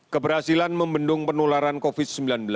keberhasilan membendung penularan covid sembilan belas